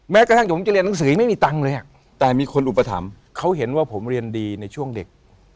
กระทั่งผมจะเรียนหนังสือไม่มีตังค์เลยแต่มีคนอุปถัมภ์เขาเห็นว่าผมเรียนดีในช่วงเด็ก